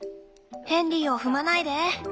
ヘンリーを踏まないで。